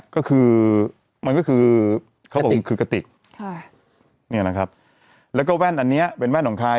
ก็คือมันก็คือเขาของขึ้นกติในนะครับแล้วก็แว่นอันเนี้ยเป็นแว่นของใคร